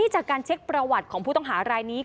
จากการเช็คประวัติของผู้ต้องหารายนี้